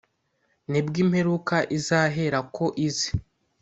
nibwo imperuka izaherako ize.